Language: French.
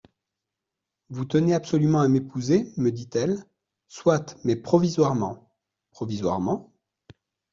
Vous tenez absolument à m’épouser, me dit-elle, soit, mais provisoirement !«— Provisoirement ?